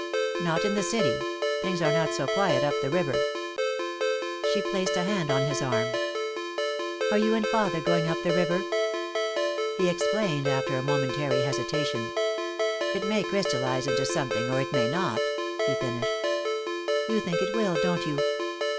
"Not in the city. Things are not so quiet up the river." She placed a hand on his arm. "Are you and father going up the river?" He explained, after a momentary hesitation. "It may crystallize into something, or it may not," he finished. "You think it will, don't you?"